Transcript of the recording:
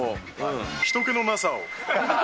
ひと気のなさを。